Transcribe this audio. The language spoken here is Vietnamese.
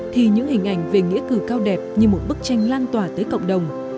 thì những hình ảnh về nghĩa cử cao đẹp như một bức tranh lan tỏa tới cộng đồng